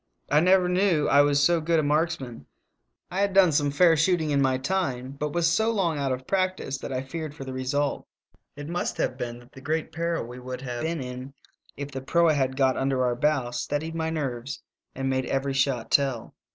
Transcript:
I never knew I was so good a marksman; I had done some fair shooting in my time, but was. so long out of practice that I feared for the result. It must have been that the great peril we would have been in if the proa had got under our bow steadied my nerves and made every shot tell.